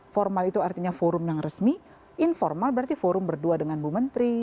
formal itu artinya forum yang resmi informal berarti forum berdua dengan bu menteri